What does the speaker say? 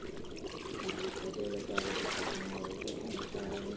د بې خوبۍ لپاره د کوکنارو تخم وکاروئ